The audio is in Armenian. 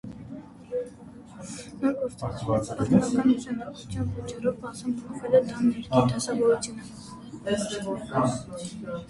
Նոր գործառնական նշանակության պատճառով մասամբ փոխվել է տան ներքին դասավորությունը։